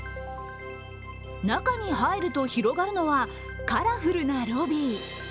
中に入ると広がるのは、カラフルなロビー。